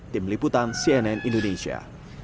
tim liputan cnn indonesia